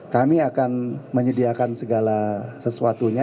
kami akan menyediakan segala sesuatunya